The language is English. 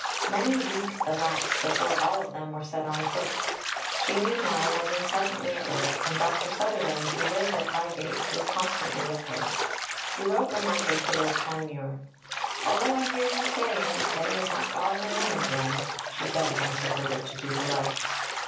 Many weeks elapsed before all of them were set on foot. She meanwhile was incessantly at work, and Dr. Sutherland, who lived at Highgate, was constantly with her. She wrote reminders to Lord Panmure, "although I hear you saying, There is that bothering woman again," and she begged Mr. Herbert to do the like.